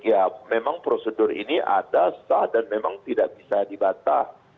ya memang prosedur ini ada sah dan memang tidak bisa dibatah